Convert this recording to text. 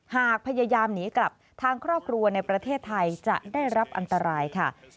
หากพยายามหนีกลับทางครอบครัวในประเทศไทยจะได้รับอันตรายค่ะ